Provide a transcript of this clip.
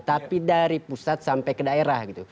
tapi dari pusat sampai ke daerah gitu